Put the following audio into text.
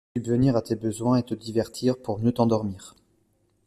Subvenir à tes besoins et te divertir pour mieux t'endormir.